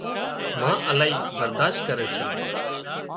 ما الاهي برادشت ڪري سي